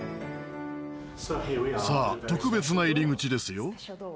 さあ特別な入り口ですよ。